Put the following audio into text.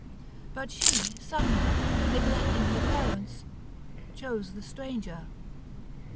But she suddenly, neglecting her parents, chose the stranger.